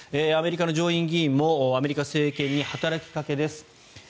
アメリカの上院議員もアメリカの政権に働きかけです。